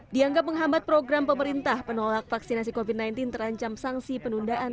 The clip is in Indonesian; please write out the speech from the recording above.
dianggap menghambat program pemerintah penolak vaksinasi covid sembilan belas terancam sanksi penundaan